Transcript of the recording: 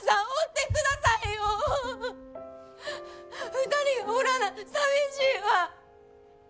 ２人がおらな寂しいわ！